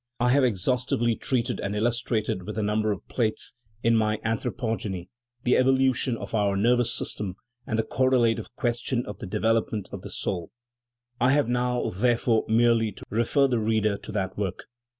I have exhaustively treated, and illustrated with a num ber of plates, in my Anthropogeny, the evolution of our nervous system and the correlative question of the de velopment of the soul. I have now, therefore, merely to refer the reader to that work.